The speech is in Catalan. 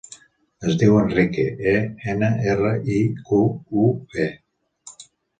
Es diu Enrique: e, ena, erra, i, cu, u, e.